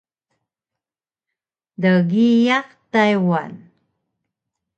Dgiyaq Taywan